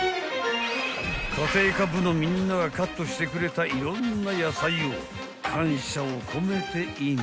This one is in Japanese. ［家庭科部のみんながカットしてくれたいろんな野菜を感謝を込めてイン］